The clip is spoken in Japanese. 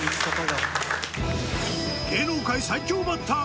芸能界最強バッター